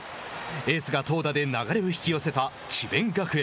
エースが投打で流れを引き寄せた智弁学園。